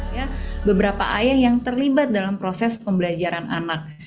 ya beberapa ayah yang terlibat dalam proses pembelajaran anak